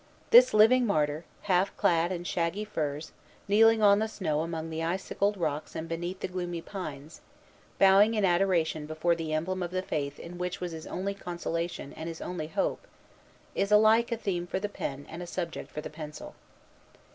This living martyr, half clad in shaggy furs, kneeling on the snow among the icicled rocks and beneath the gloomy pines, bowing in adoration before the emblem of the faith in which was his only consolation and his only hope, is alike a theme for the pen and a subject for the pencil.